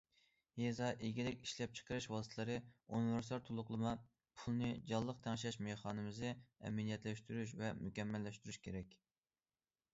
يېزا ئىگىلىك ئىشلەپچىقىرىش ۋاسىتىلىرى ئۇنىۋېرسال تولۇقلىما پۇلىنى جانلىق تەڭشەش مېخانىزمىنى ئەمەلىيلەشتۈرۈش ۋە مۇكەممەللەشتۈرۈش كېرەك.